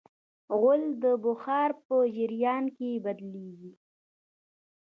غول د بخار په جریان کې بدلېږي.